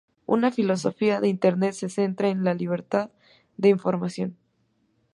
Una filosofía de Internet se centra en la libertad de información.